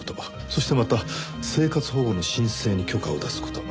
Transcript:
そしてまた生活保護の申請に許可を出す事。